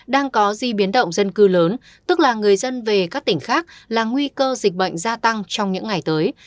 đang có di biến động dân cư lớn tức là người dân về các tỉnh khác là nguy cơ dịch bệnh gia tăng trong những ngày tới